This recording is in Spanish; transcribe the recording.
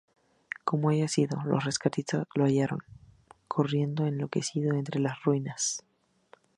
Como haya sido, los rescatistas lo hallaron corriendo enloquecido entre las ruinas de St.